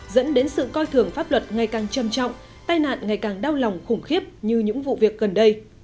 dẫn đến sự coi thường pháp luật ngày càng châm trọng tai nạn ngày càng đau lòng khủng khiếp như những vụ việc gần đây